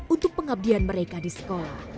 untuk pengabdian mereka di sekolah